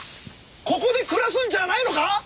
ここで暮らすんじゃないのか？